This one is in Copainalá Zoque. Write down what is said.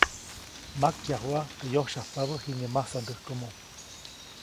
Makyajuʼa teʼ yosyajpabä jiŋäʼ masandäjkomo.